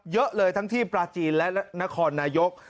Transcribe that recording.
เยอะเลยทั้งที่ปลาจีนและนครนายก